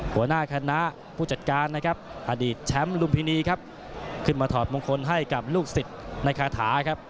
หัวหน้าคณะผู้จัดการนะครับอดีตแชมป์ลุมพินีครับขึ้นมาถอดมงคลให้กับลูกศิษย์ในคาถาครับ